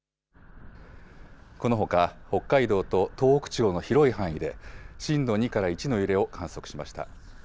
このほか北海道と東北地方の広い範囲で震度２から１の揺れを観測しました。